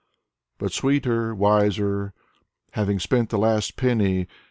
But sweeter, Wiser, Having spent the last penny.